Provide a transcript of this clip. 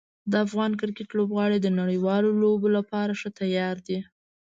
د افغان کرکټ لوبغاړي د نړیوالو لوبو لپاره ښه تیار دي.